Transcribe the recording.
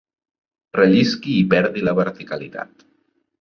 Rellisqui i perdi la verticalitat.